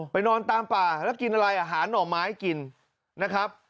นอนตามป่าแล้วกินอะไรอ่ะหาหน่อไม้กินนะครับ